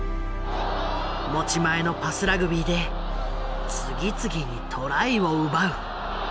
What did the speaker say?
持ち前のパスラグビーで次々にトライを奪う。